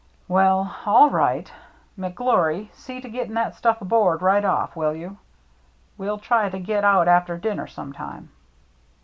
"Well, all right; McGlory, see to getting that stuff aboard right off, will you? We'll try to get out after dinner sometime."